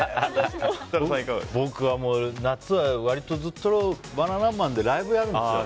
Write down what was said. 僕は、夏はずっとバナナマンでライブやるんですよ。